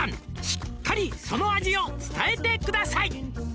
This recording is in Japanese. しっかりその味を伝えてください」